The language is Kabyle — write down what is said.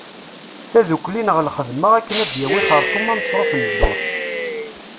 Taddukli neɣ lxedma akken ad yawi xersum amesruf n ddurt.